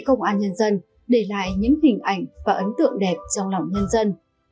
công an nhân dân để lại những hình ảnh và ấn tượng đẹp trong lòng nhân dân